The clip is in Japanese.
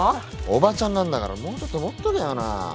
おばちゃんなんだからもうちょっと持っとけよな。